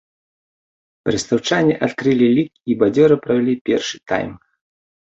Брэстаўчане адкрылі лік і бадзёра правялі першы тайм.